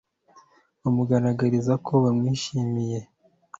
bamugaragariza ko bamwishimiye